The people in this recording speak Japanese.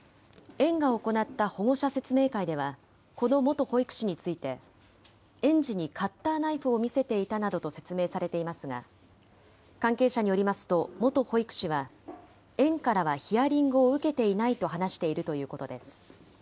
園が行った保護者説明会では、この元保育士について、園児にカッターナイフを見せていたなどと説明されていますが、関係者によりますと、元保育士は、園からはヒアリングを受けていないと話しているということです。